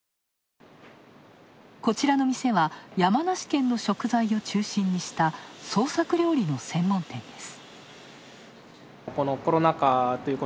こちらの店は山梨県の食材を中心にした創作料理の専門店です。